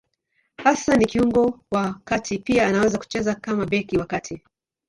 Hasa ni kiungo wa kati; pia anaweza kucheza kama beki wa kati.